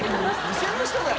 店の人だよ。